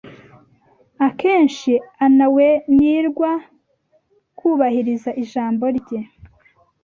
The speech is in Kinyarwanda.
akenshi anawenirwa kubahiriza ijambo rye.